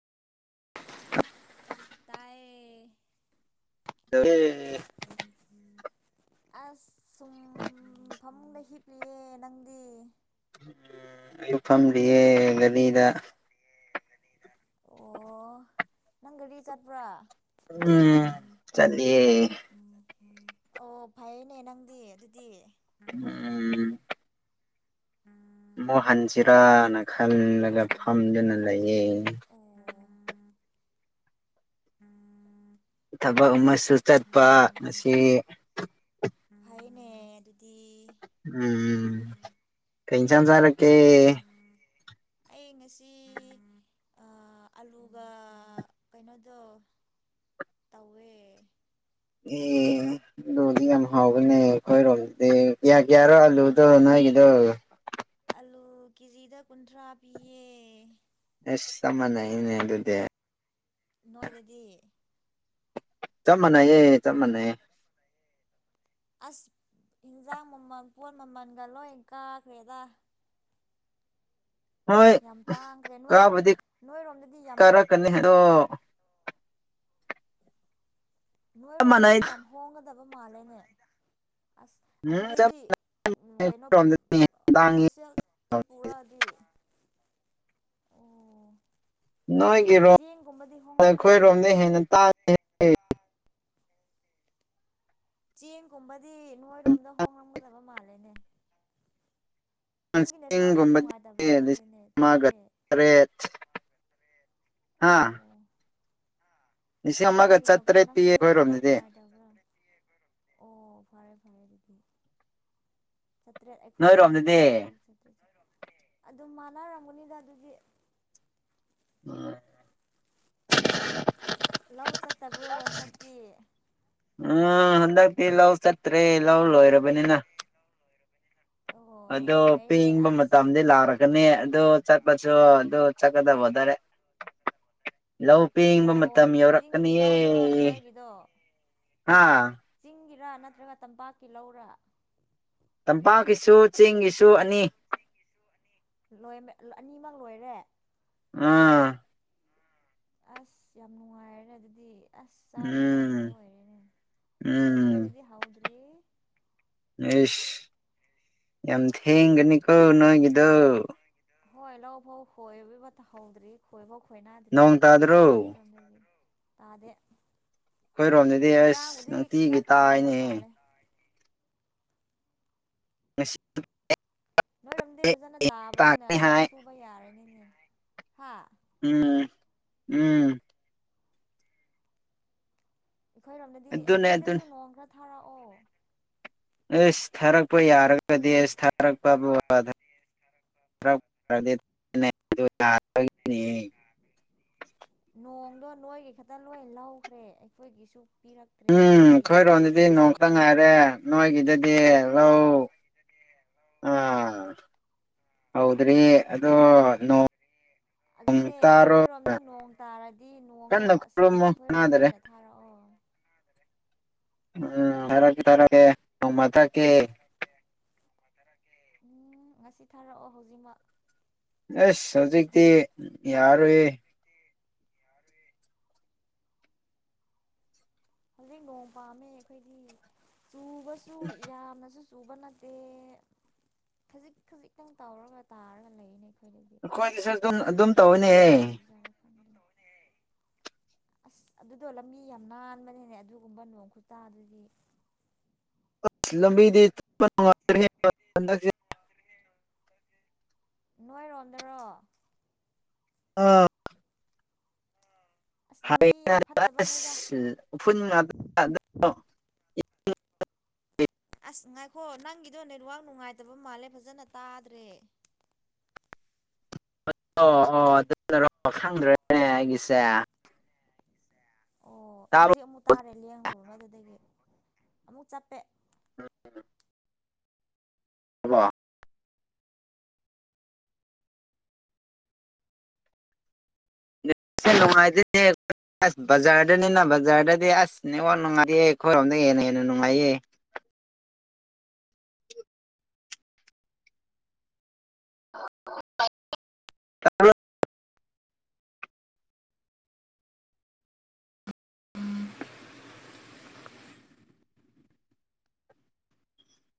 [unintelligible] ꯇꯥꯏꯌꯦ ꯗꯌꯦ [unintelligible] ꯑꯁ ꯁꯨꯝ ꯐꯃꯨꯡꯗ ꯍꯤꯞꯂꯤꯌꯦ ꯅꯪꯗꯤ ꯂꯨꯞ ꯐꯝꯂꯤꯌꯦ ꯒꯂꯤꯗ ꯑꯣ ꯅꯪ ꯒꯥꯔꯤ ꯆꯠꯄ꯭ꯔꯥ ꯎꯝ ꯆꯂꯤꯌꯦ ꯑꯣ ꯐꯩꯅꯦ ꯅꯪꯗꯤ ꯑꯗꯨꯗꯤ ꯎꯝ [unintelligible] ꯃꯨꯛ ꯍꯟꯁꯤꯔꯥꯅ ꯈꯜꯂꯒ ꯐꯝꯗꯨꯅ ꯂꯩꯌꯦ ꯑꯣ [inaudible] ꯊꯕꯛ ꯑꯃꯁꯨ ꯆꯠꯄ ꯑꯁꯤ ꯐꯩꯌꯦꯅꯦ ꯑꯗꯨꯗꯤ ꯎꯝ ꯀꯩ ꯏꯟꯁꯥꯡ ꯆꯥꯔꯀꯦ ꯑꯩ ꯉꯁꯤ ꯑꯥ ꯑꯂꯨꯒ ꯀꯩꯅꯣꯗꯣ ꯇꯧꯋꯦ ꯑꯦ ꯑꯂꯨꯗꯤ ꯌꯥꯝ ꯍꯥꯎꯕꯅꯤ ꯑꯩꯈꯣꯏꯔꯣꯝꯗꯤ ꯀꯌꯥ ꯀꯌꯥꯔꯣ ꯑꯂꯨꯗꯣ ꯅꯣꯏꯒꯤꯗꯣ ꯑꯂꯨ ꯀꯦꯖꯤꯗ ꯀꯨꯟꯊ꯭ꯔꯥ ꯄꯤꯌꯦ ꯑꯦꯁ ꯆꯞ ꯃꯅꯩꯏꯅꯦ ꯑꯗꯨꯗꯤ ꯅꯣꯏꯗꯗꯤ ꯆꯃꯅꯩꯌꯦ ꯆꯞꯃꯅꯩꯌꯦ ꯑꯁ ꯍꯤꯟꯖꯥꯡ ꯃꯃꯜ ꯄꯣꯠ ꯃꯃꯟꯒ ꯂꯣꯏ ꯀꯥꯈ꯭ꯔꯦꯗ ꯍꯣꯏ ꯌꯥꯝ ꯇꯥꯡꯈ꯭ꯔꯦ ꯅꯣꯏꯔꯣꯝ ꯀꯥꯕꯨꯗꯤ ꯅꯣꯏꯔꯣꯝꯗꯗꯤ ꯌꯥꯝ ꯀꯔꯛ ꯀꯅꯤ ꯑꯣ ꯆꯞ ꯅꯣꯏꯔꯣꯝꯗꯗꯤ ꯃꯥꯟꯅꯩ ꯌꯥꯝ ꯍꯣꯡꯒꯗꯕ ꯃꯥꯜꯂꯦꯅꯦ ꯑꯁ ꯎꯝ ꯆꯞ ꯑꯗꯨꯗꯤ ꯎ ꯃꯥꯟꯅꯩ ꯀꯩꯅꯣ ꯑꯩꯈꯣꯏꯔꯣꯝꯗꯗꯤ ꯇꯥꯡꯉꯤ ꯍꯣꯜꯁꯦꯜ ꯄꯨꯔꯗꯤ ꯑꯣ ꯅꯣꯏꯒꯤꯔꯣꯝ ꯆꯦꯡꯒꯨꯝꯕꯗꯤ ꯍꯣꯡꯂꯝꯒꯅꯤ ꯑꯩꯈꯣꯏꯔꯣꯝꯗ ꯍꯦꯟꯅ ꯆꯦꯡꯒꯨꯝꯕꯗꯤ ꯅꯣꯏꯔꯣꯝꯗ ꯍꯣꯡꯉꯝꯒꯗꯕ ꯃꯥꯜꯂꯦꯅꯦ ꯅꯪꯒꯤ ꯅꯦꯠꯋꯥꯛꯁꯦ ꯒꯨꯝꯕꯗꯤ ꯅꯨꯡꯉꯥꯏꯇꯕ꯭ꯔꯥ ꯂꯤꯁꯤꯡ ꯈꯪꯗꯦꯅꯦ ꯑꯃꯒ ꯆꯞꯄꯦ ꯇꯔꯦꯠ ꯍꯥꯥ ꯑꯣ ꯅꯪꯒꯤ ꯅ ꯅꯪꯁꯤ ꯁꯦ ꯅꯦꯠꯋꯥꯛ ꯑꯩꯈꯣꯏꯔꯣꯝꯗꯗꯤ ꯅꯨꯉꯥꯢ ꯑꯣ ꯐꯔꯦ ꯐꯔꯦ ꯑꯗꯨꯗꯤ ꯆꯥꯇ꯭ꯔꯦꯠ ꯑꯩꯈꯣꯏꯔꯣꯝꯗꯗꯤ ꯅꯣꯏꯔꯣꯝꯗꯗꯤ ꯆꯥꯇ꯭ꯔꯨ ꯆꯥꯇ꯭ꯔꯦꯠ ꯑꯗꯨꯝ ꯃꯥꯟꯅꯔꯝꯒꯅꯤꯗ ꯑꯗꯨꯗꯤ ꯎ ꯂꯧ ꯆꯠꯇꯕ꯭ꯔꯣ ꯍꯟꯗꯛꯇꯤ ꯎ ꯍꯟꯗꯛꯇꯤ ꯂꯧ ꯆꯠ ꯑꯣ ꯐꯥꯏꯅꯦ ꯑꯁ ꯑ ꯑꯗꯣ ꯏꯪꯕ ꯄꯦꯡꯕ ꯃꯇꯝꯗ ꯃꯇꯝꯗꯤ ꯂꯥꯛꯔꯛꯀꯅꯤ ꯂꯥꯛꯔꯒꯗꯤ ꯑꯗꯣ ꯑꯗꯨ ꯑꯗꯨ ꯆꯠꯄꯁꯨ ꯆꯠꯀꯗꯕ ꯑꯗꯨ ꯑꯣꯏꯇꯥꯔꯦ ꯆꯠꯀꯗ ꯍꯣꯠꯅꯔꯦ ꯂꯧ ꯄꯦꯡꯕ ꯑꯣ ꯃꯇꯝ ꯆꯤꯡꯒꯤ ꯌꯧꯔꯛꯀꯅꯤꯌꯦ ꯂꯧꯗꯨꯔꯣ ꯅꯣꯏꯒꯤꯗꯣ ꯑꯥ ꯆꯤꯡꯒꯤꯔꯥ ꯅꯠꯇ꯭ꯔꯒ ꯇꯝꯄꯥꯛꯀꯤ ꯂꯧꯔ ꯇꯝꯄꯥꯛꯀꯤꯁꯨ ꯆꯤꯡꯒꯤꯁꯨ ꯑꯅꯤ ꯇꯝꯄꯥꯛꯒꯤꯁꯨ ꯆꯦꯡꯒꯤꯁꯨ ꯑꯅꯤꯃꯛ ꯂꯣꯏꯔꯦ ꯎꯝ ꯑꯁ ꯌꯥꯝ ꯅꯨꯡꯉꯥꯏꯔꯦ ꯑꯗꯨꯗꯤ ꯑꯁ ꯎꯝ ꯆꯥꯅꯤꯡꯉꯥꯏꯈꯛꯇ ꯑꯣꯏꯔꯦꯅꯦ ꯎꯝ ꯑꯩꯈꯣꯏꯗꯗꯤ ꯍꯧꯗ꯭ꯔꯤ ꯏꯁ ꯌꯥꯝ ꯊꯦꯡꯒꯅꯤꯀꯣ ꯅꯣꯏꯒꯤꯗꯨꯣ ꯍꯣꯏ ꯂꯧ ꯐꯥꯎ ꯈꯣꯏꯕ ꯍꯧꯗ꯭ꯔꯤ ꯈꯣꯏꯕ ꯅꯣꯡ ꯈꯣꯏꯅꯥꯗ꯭ꯔꯤꯗ ꯇꯥꯗ꯭ꯔꯣ ꯇꯥꯗꯦ ꯑꯩꯈꯣꯏꯔꯣꯝꯗꯗꯤ ꯑꯁ ꯉꯔꯥꯡꯕꯨꯗꯤ ꯈꯔ ꯅꯨꯡꯇꯤꯒꯤ ꯇꯥꯔꯝꯕ ꯇꯥꯏꯅꯦ ꯃꯥꯜꯂꯦ ꯉꯁꯤ ꯅꯣꯏꯔꯣꯝꯗꯤ ꯐꯖꯅ ꯇꯥꯕꯅꯤꯅ ꯇꯥꯒꯅꯤ ꯂꯧ ꯍꯥꯏ ꯁꯨꯕ ꯌꯥꯔꯅꯤꯅꯦ ꯍꯥ ꯎꯝ ꯎꯝ ꯑꯩꯈꯣꯏꯔꯣꯝꯗꯗꯤ ꯑꯗꯨꯅꯦ ꯑꯩꯈꯣꯏꯗꯁꯨ ꯑꯗꯨꯅꯦ ꯅꯣꯡ ꯈꯔ ꯊꯥꯔꯛꯑꯣ ꯑꯩꯁꯁ ꯊꯥꯔꯛꯄ ꯌꯥꯔ [unintelligible] ꯑꯦꯁ ꯊꯥꯔꯛꯄꯕꯨ [unintelligible] [unintelligible] ꯅꯣꯡꯗꯣ ꯅꯣꯏꯒꯤ ꯈꯛꯇ ꯂꯣꯏ ꯂꯧꯈ꯭ꯔꯦ ꯑꯩꯈꯣꯏꯒꯤꯁꯨ ꯄꯤꯔꯛ ꯎꯝ ꯈꯣꯏꯔꯣꯝꯗꯗꯤ ꯅꯣꯡ ꯇꯥ ꯉꯥꯏꯔꯦ ꯅꯣꯏꯒꯤꯗꯗꯤ ꯂꯧ ꯑꯥ ꯍꯧꯗ꯭ꯔꯤ ꯑꯗꯣ ꯅꯣ ꯑꯗꯨꯅꯦ ꯅꯣꯏꯔꯣꯝꯗ ꯅꯣꯡ ꯇꯥꯔꯗꯤ ꯅꯣꯡꯗꯣ ꯀꯟꯅ ꯑꯁꯤ ꯈꯨꯔꯨꯝꯃꯣ ꯑꯩꯈꯣꯏꯔꯣꯝꯗ ꯀꯅꯥꯗꯔꯦ ꯑꯣꯏꯅ ꯊꯥꯔꯛꯑꯣ ꯎꯝ ꯍꯥ ꯊꯥꯔꯛꯀꯦ ꯊꯥꯔꯛꯀꯦ ꯅꯣꯡꯃ ꯊꯛꯀꯦ ꯊꯛꯀꯦ ꯅꯣꯡꯃꯥ ꯊꯔꯛꯀꯦ ꯎꯝ ꯉꯁꯤ ꯊꯥꯔꯛꯑꯣ ꯍꯧꯖꯤꯛꯃꯛ ꯑꯁ ꯍꯧꯖꯤꯛꯇꯤ ꯌꯥꯔꯣꯏꯌꯦ ꯇꯤ ꯌꯥꯔꯣꯏꯌꯦ ꯍꯧꯖꯤꯛ ꯅꯣꯡ ꯄꯥꯝꯃꯦ ꯑꯩꯈꯣꯏꯗꯤ ꯆꯨꯕꯁꯨ ꯌꯥꯝꯅꯁꯨ ꯆꯨꯕ ꯅꯠꯇꯦ ꯈꯖꯤꯛ ꯈꯖꯤꯛꯇꯪ ꯇꯧꯔꯒ ꯇꯥꯔꯒ ꯂꯩꯅꯦ ꯑꯩꯈꯣꯏꯗꯗꯤ ꯑꯩꯈꯣꯏꯒꯤꯁꯨ ꯑꯗꯨꯝ ꯑꯗꯨꯝ ꯀꯃꯥꯏꯅ ꯇꯧꯋꯦꯅꯦꯍꯦ [unintelligible] [unintelligible] ꯑꯁ ꯑꯗꯨꯗꯣ ꯂꯝꯕꯤ ꯌꯥꯝ ꯅꯥꯟꯕꯅꯦꯅꯦ ꯑꯗꯨꯒꯨꯝꯕ ꯅꯣꯡ ꯈꯨꯇꯥꯗꯨꯗꯤ [unintelligible] ꯂꯝꯕꯤꯗꯤ ꯅꯨꯡꯉꯥꯏꯇ꯭ꯔꯦ ꯂꯝꯕꯤꯗꯤ ꯍꯟꯗꯛꯁꯦ [unintelligible] ꯅꯣꯏꯔꯣꯝꯗꯔꯣ ꯑꯥ ꯑꯁ ꯂꯝꯕꯤ ꯌꯥꯝ ꯐꯠꯇꯕꯅꯦꯗ [unintelligible] ꯎꯐꯨꯜ [unintelligible] ꯑꯁ ꯉꯥꯏꯈꯣ ꯅꯪꯒꯤꯗꯣ ꯅꯦꯠꯋꯥꯔꯛ ꯅꯨꯡꯉꯥꯏꯇꯕ ꯃꯥꯜꯂꯦ ꯐꯖꯅ ꯇꯥꯗ꯭ꯔꯦ ꯑꯣ ꯑꯣ ꯑꯗꯨꯅꯔꯣ ꯈꯪꯗ꯭ꯔꯦꯅꯦ ꯑꯩꯒꯤꯁꯦ ꯑꯣ ꯇꯥꯕ꯭ꯔꯣ ꯍꯧꯖꯤꯛ ꯑꯃꯨꯛ ꯇꯥꯔꯦ ꯂꯦꯡꯉꯨꯕꯗꯨꯗꯒꯤ ꯑꯃꯨꯛ ꯆꯞꯄꯦ [unintelligible] [unintelligible] ꯅꯦꯠꯁꯦ ꯅꯨꯡꯉꯥꯏꯗꯦꯅꯦ ꯑꯁ ꯕꯖꯥꯔꯗꯅꯤꯅ ꯕꯖꯥꯔꯗꯗꯤ ꯑꯁ ꯅꯦꯠꯋꯥꯔꯛ [unintelligible] ꯑꯩꯈꯣꯏꯔꯣꯝꯅ ꯍꯦꯟꯅ ꯍꯦꯟꯅ ꯅꯨꯡꯉꯥꯏꯌꯦ